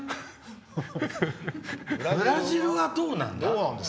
ブラジルはどうなんだ。